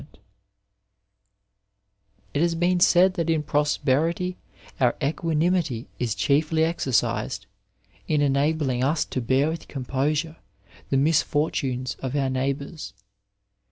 7 Digitized by Google ABQUANIMITAS It has been said that in prosperity our equanimity is chiefly exercised in enabling us to bear with composure the misfortunes of our neighbours.